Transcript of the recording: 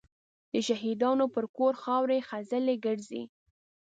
د شهیدانو به پر ګور خاوري خزلي ګرځي